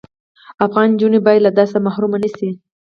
افغان انجوني بايد له درس محرومه نشی